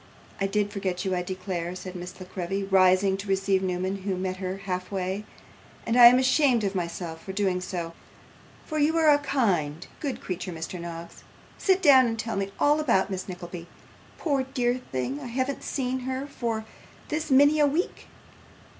'I did forget you, I declare,' said Miss La Creevy, rising to receive Newman, who met her half way, 'and I am ashamed of myself for doing so; for you are a kind, good creature, Mr. Noggs. Sit down and tell me all about Miss Nickleby. Poor dear thing! I haven't seen her for this many a week.